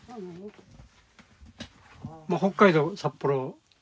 北海道札幌。